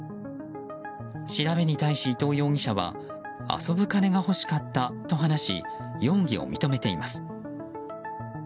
調べに対し伊藤容疑者は遊ぶ金が欲しかったと話し容疑を認めています。